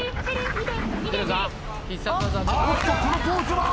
このポーズは。